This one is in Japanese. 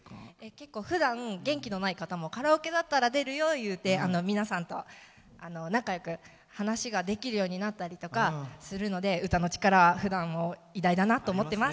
結構、ふだん元気のない方もカラオケだったら出るよ、言うて皆さんと仲良く話ができるようになったりとか歌の力は偉大だなと思っています。